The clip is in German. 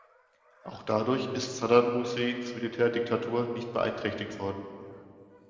Auch dadurch ist Saddam Husseins Militärdiktatur nicht beeinträchtigt worden.